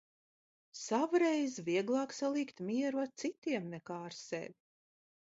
Savreiz, vieglāk salīgt mieru ar citiem, nekā ar sevi.